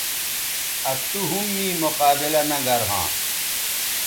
آ تو ھم می مقابلہ نہ گرھواں